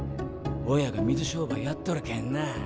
親が水商売やっとるけんなあ。